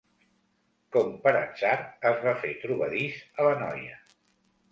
Com per atzar, es va fer trobadís a la noia.